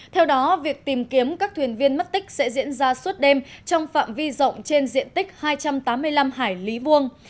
theo đó việc tìm kiếm các thuyền viên mất tích sẽ diễn ra suốt đêm trong phạm vi rộng trên diện tích hai trăm tám mươi năm hải lý vuông